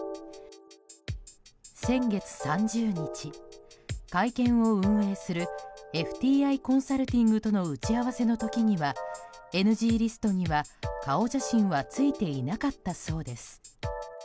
先月３０日、会見を運営するＦＴＩコンサルティングとの打ち合わせの時にはＮＧリストには顔写真はついていなかったそうです。